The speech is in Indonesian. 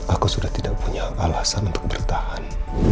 aku sudah tidak punya alasan untuk bertahan